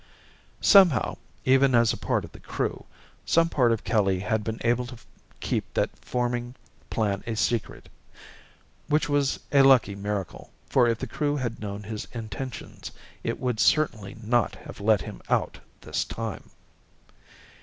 Somehow, even as part of the Crew, some part of Kelly had been able to keep that forming plan a secret. Which was a lucky miracle, for if the Crew had known his intentions it would certainly not have let him out this time.